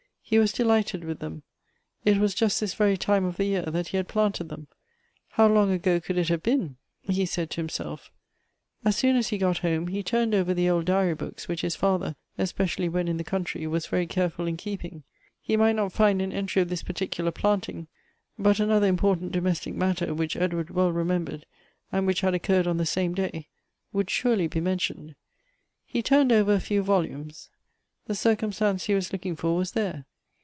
He was delighted with them. It was just this very time of the year that he had planted thorn. How long ago could it have been ? he said to himself As soon as he got home, he turned over the old diary books, which his father, especially when in the countrj% was very careful in keeping. He might not find an entry of this particular planting, but another impor tant domestic matter, which Edward well remembered, and which had occurred on the same day, would surely be mentioned. He turned over a few volumes. The cir cumstance he was looking for was there.